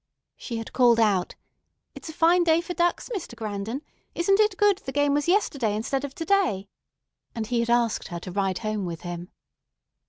She had called out, "It's a fine day for ducks, Mr. Grandon; isn't it good the game was yesterday instead of to day?" and he had asked her to ride home with him.